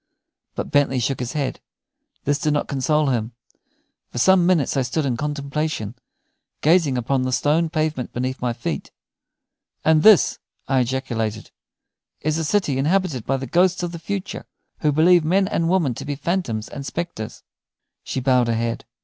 But Bentley shook his head. This did not console him. For some minutes I stood in contemplation, gazing upon the stone pavement beneath my feet. "And this," I ejaculated, "is a city inhabited by the ghosts of the future, who believe men and women to be phantoms and spectres?" She bowed her head.